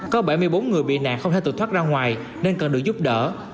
có bảy mươi bốn người bị nạn không thể tự thoát ra ngoài nên cần được giúp đỡ